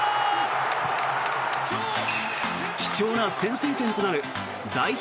貴重な先制点となる代表